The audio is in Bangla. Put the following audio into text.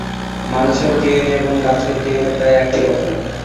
মানুষের ডিএনএ এবং গাছের ডিএনএ প্রায় একই রকম।